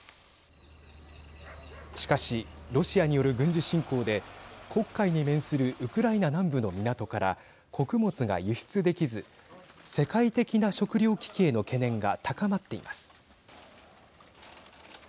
しかし、ロシアによる軍事侵攻で黒海に面するウクライナ南部の港から穀物が輸出できず世界的な食糧危機への懸念が高まっています。